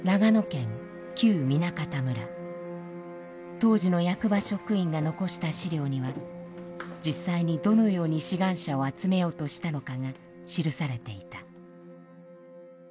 当時の役場職員が残した資料には実際にどのように志願者を集めようとしたのかが記されていた。